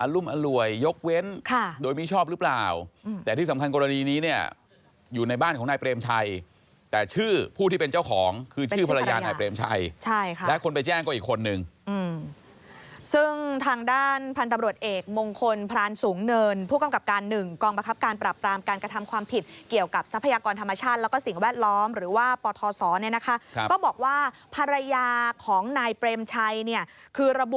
อรุ่นอร่วยยกเว้นโดยมีชอบหรือเปล่าแต่ที่สำคัญกรณีนี้เนี่ยอยู่ในบ้านของนายเปรมชัยแต่ชื่อผู้ที่เป็นเจ้าของคือชื่อภรรยานายเปรมชัยใช่ค่ะและคนไปแจ้งก็อีกคนนึงซึ่งทางด้านพันธ์ตำรวจเอกมงคลพรานสูงเนินผู้กำกับการหนึ่งกองประคับการปรับปรามการกระทำความผิดเกี่ยวกับทรัพยากรธรร